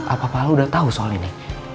apapalau udah tau soal ini